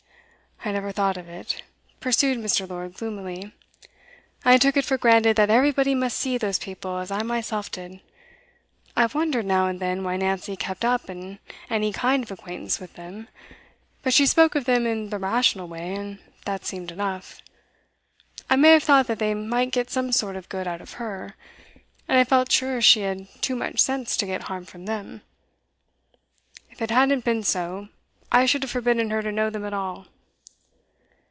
'I never thought of it,' pursued Mr. Lord gloomily. 'I took it for granted that everybody must see those people as I myself did. I have wondered now and then why Nancy kept up any kind of acquaintance with them, but she spoke of them in the rational way, and that seemed enough. I may have thought that they might get some sort of good out of her, and I felt sure she had too much sense to get harm from them. If it hadn't been so, I should have forbidden her to know them at all.